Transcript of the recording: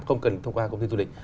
không cần thông qua công ty du lịch